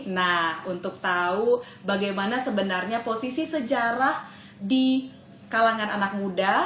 nah untuk tahu bagaimana sebenarnya posisi sejarah di kalangan anak muda